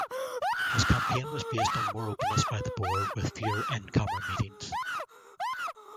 His campaign was based on more openness by the board with fewer in-camera meetings.